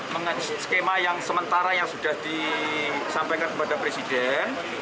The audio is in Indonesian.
mengenai skema yang sementara yang sudah disampaikan kepada presiden